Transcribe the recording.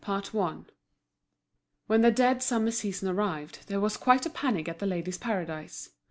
CHAPTER VI. When the dead summer season arrived, there was quite a panic at The Ladies' Paradise.